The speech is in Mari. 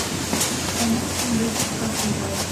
Омаш шеҥгечын Качи толеш.